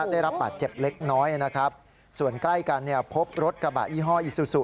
ได้รับบาดเจ็บเล็กน้อยนะครับส่วนใกล้กันเนี่ยพบรถกระบะยี่ห้ออีซูซู